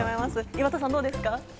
岩田さん、どうですか？